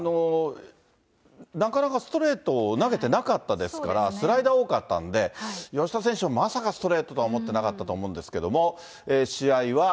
なかなかストレートを投げてなかったですから、スライダーが多かったんで、吉田選手もまさかストレートとは思ってなかったと思うんですけれども、試合は。